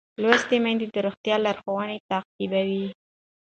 لوستې میندې د روغتیا لارښوونې تعقیبوي.